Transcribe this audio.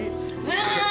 ya buat mama